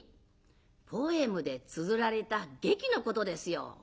「ポエムでつづられた劇のことですよ」。